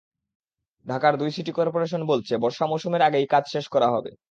ঢাকার দুই city corporation বলছে, বর্ষা মৌসুমের আগেই কাজ শেষ করা হবে।